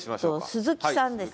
鈴木さんです。